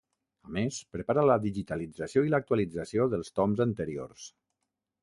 A més prepara la digitalització i l'actualització dels toms anteriors.